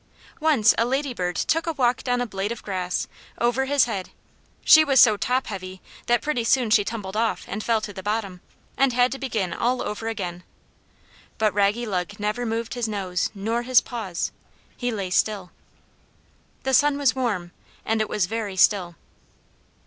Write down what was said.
Once a lady bird took a walk down a blade of grass, over his head; she was so top heavy that pretty soon she tumbled off and fell to the bottom, and had to begin all over again. But Raggylug never moved his nose nor his paws; he lay still. The sun was warm, and it was very still.